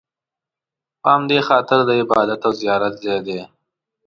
په همدې خاطر د عبادت او زیارت ځای دی.